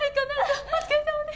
お疲れさまです。